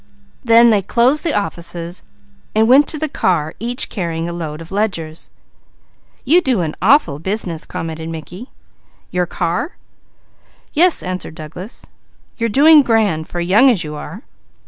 Then they closed the offices and went to the car, each carrying a load of ledgers. "You do an awful business!" commented Mickey. "Your car?" "Yes," answered Douglas. "You're doing grand, for young as you are."